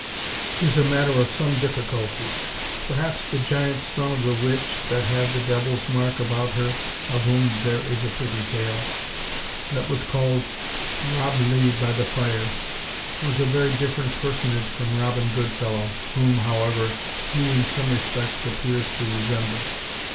is a matter of some difficulty. Perhaps the giant son of the witch, that had the devil's mark about her (of whom "there is a pretty tale"), that was called Lob–lye–by–the–fire, was a very different personage from Robin Goodfellow, whom, however, he in some respects appears to resemble.